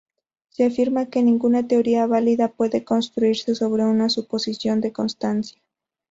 Se afirma que ninguna teoría válida puede construirse sobre una suposición de constancia.